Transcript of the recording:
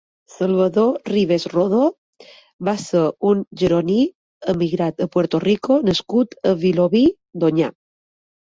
Salvador Vives Rodo va ser un gironí emigrat a Puerto Rico nascut a Vilobí d'Onyar.